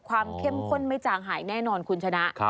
เข้มข้นไม่จางหายแน่นอนคุณชนะ